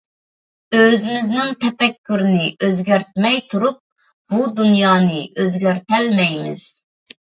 ئۆزىمىزنىڭ تەپەككۇرىنى ئۆزگەرتمەي تۇرۇپ بۇ دۇنيانى ئۆزگەرتەلمەيمىز.